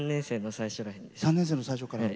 ３年生の最初から。